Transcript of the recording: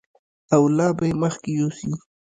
او لا به یې مخکې یوسي.